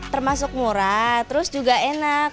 termasuk murah terus juga enak